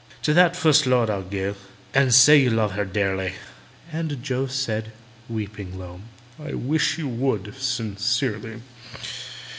"To that Fust Lord I'll go And say you love her dearly." And JOE said (weeping low), "I wish you would, sincerely!"